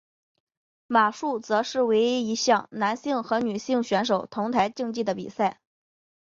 马术则是唯一一项男性和女性选手同台竞技的比赛。